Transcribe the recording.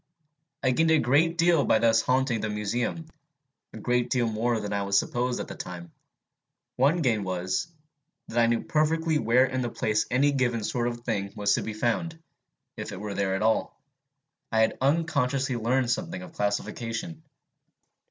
I gained a great deal by thus haunting the Museum a great deal more than I supposed at the time. One gain was, that I knew perfectly where in the place any given sort of thing was to be found, if it were there at all: I had unconsciously learned something of classification.